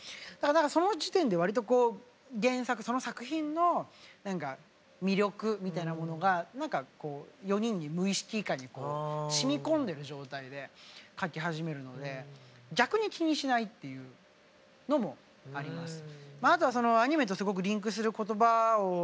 だからその時点でわりとこう原作その作品の魅力みたいなものが何かこう４人に無意識下にしみこんでる状態で書き始めるので逆に気にしないっていうのもあります。